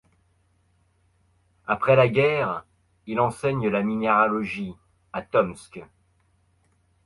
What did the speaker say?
Après la guerre, il enseigne la minéralogie à Tomsk.